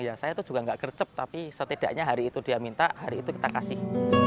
ya saya itu juga nggak gercep tapi setidaknya hari itu dia minta hari itu kita kasih